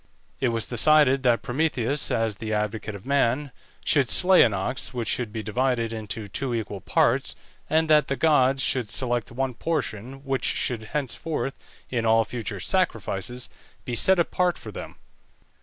It was decided that Prometheus, as the advocate of man, should slay an ox, which should be divided into two equal parts, and that the gods should select one portion which should henceforth, in all future sacrifices, be set apart for them.